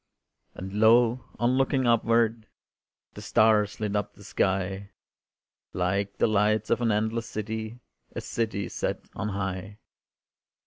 And lo! on looking upward The stars lit up the sky Like the lights of an endless city, A city set on high.